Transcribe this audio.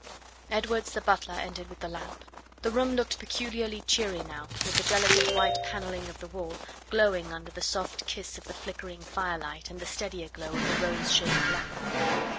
Edwards, the butler, entered with the lamp. The room looked peculiarly cheery now, with the delicate white panelling of the wall glowing under the soft kiss of the flickering firelight and the steadier glow of the rose shaded lamp.